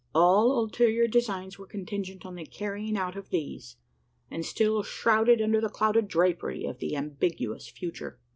All ulterior designs were contingent on the carrying out of these, and still shrouded under the clouded drapery of the ambiguous future.